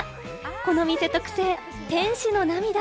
この店特製、天使の涙。